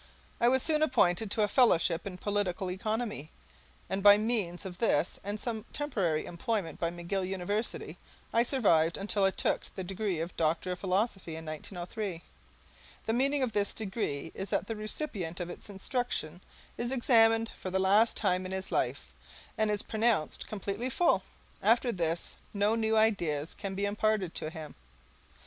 I was soon appointed to a Fellowship in political economy, and by means of this and some temporary employment by McGill University, I survived until I took the degree of Doctor of Philosophy in 1903. The meaning of this degree is that the recipient of instruction is examined for the last time in his life, and is pronounced completely full. After this, no new ideas can be imparted to him.